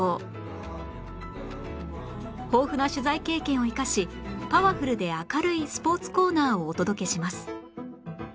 豊富な取材経験を生かしパワフルで明るいスポーツコーナーをお届けします